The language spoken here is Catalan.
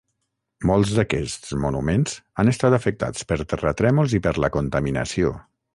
Molts d'aquests monuments han estat afectats per terratrèmols i per la contaminació.